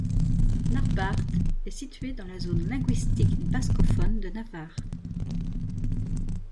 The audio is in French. Narbarte est situé dans la zone linguistique bascophone de Navarre.